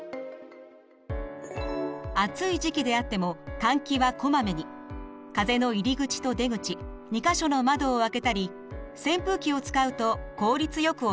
暑い時期であっても風の入り口と出口２か所の窓を開けたり扇風機を使うと効率よく行えます。